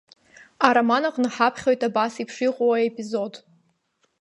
Ароман аҟны ҳаԥхьоит абас еиԥш иҟоу аепизод…